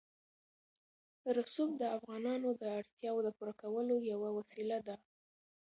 رسوب د افغانانو د اړتیاوو د پوره کولو یوه وسیله ده.